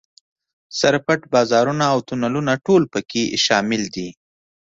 سر پټ بازارونه او تونلونه ټول په کې شامل دي.